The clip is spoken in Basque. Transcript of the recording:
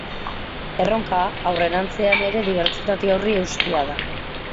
Erronka, aurrerantzean ere dibertsitate horri eustea da.